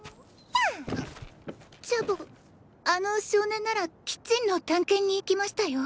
あチャボあの少年ならキッチンの探検に行きましたよ。